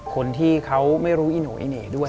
คนที่เขาไม่รู้อิหนูไอเน่ด้วย